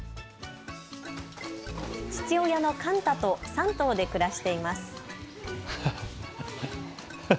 父親のカンタと３頭で暮らしています。